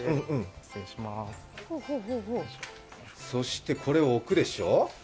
そしてこれを置くでしょ。